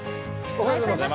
おはようございます。